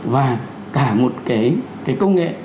và cả một cái công nghệ